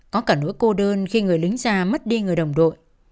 có cả nỗi cô đơn khi người lính già mất đi người đồng đội